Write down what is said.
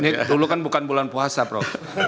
ini dulu kan bukan bulan puasa prof